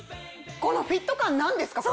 このフィット感何ですか？